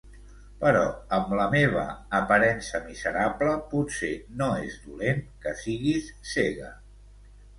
Però amb la meva aparença miserable potser no és dolent que siguis cega.